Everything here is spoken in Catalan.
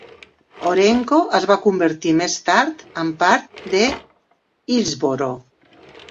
Orenco es va convertir més tard en part de Hillsboro.